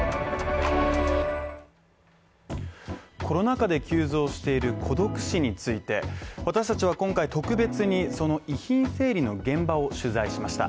コロナ禍で急増している孤独死について私達は今回特別にその遺品整理の現場を取材しました。